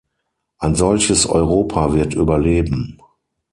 Ein solches Europa wird überleben.